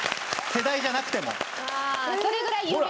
世代じゃなくても。